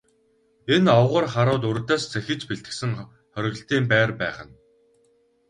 Энэ овгор харууд урьдаас зэхэж бэлтгэсэн хориглолтын байр байх нь.